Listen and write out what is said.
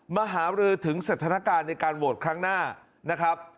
หารือถึงสถานการณ์ในการโหวตครั้งหน้านะครับ